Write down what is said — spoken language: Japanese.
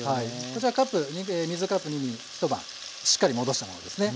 こちら水カップ２に一晩しっかり戻したものですね。